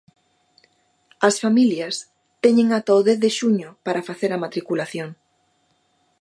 As familias teñen ata o dez de xuño para facer a matriculación.